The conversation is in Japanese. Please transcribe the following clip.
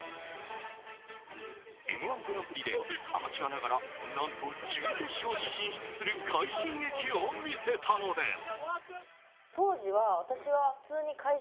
「Ｍ‐１グランプリ」でアマチュアながら何と準決勝に進出する快進撃を見せたのです。